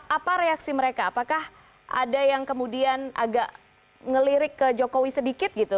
apa reaksi mereka apakah ada yang kemudian agak ngelirik ke jokowi sedikit gitu